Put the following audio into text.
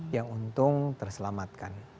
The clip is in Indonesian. yang untung terselamatkan